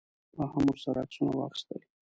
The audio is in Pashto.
ما هم ورسره عکسونه واخیستل.